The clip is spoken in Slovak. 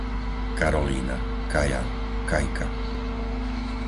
Karolína, Kaja, Kajka